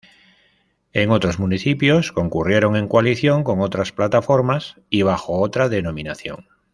En otros municipios concurrieron en coalición con otras plataformas y bajo otra denominación.